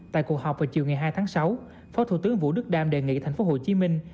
tại cuộc họp vào chiều ngày hai tháng sáu phó thủ tướng vũ đức đam đề nghị thành phố hồ chí minh